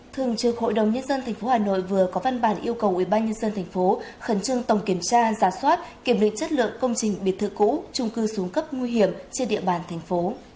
thường trực hội đồng nhân dân tp hà nội vừa có văn bản yêu cầu ubnd tp khẩn trương tổng kiểm tra giả soát kiểm định chất lượng công trình biệt thự cũ trung cư xuống cấp nguy hiểm trên địa bàn thành phố